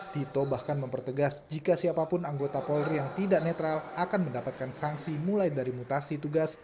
tito bahkan mempertegas jika siapapun anggota polri yang tidak netral akan mendapatkan sanksi mulai dari mutasi tugas